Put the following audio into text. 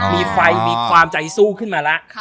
มีฟัยมีความใจสู้ขึ้นมาละ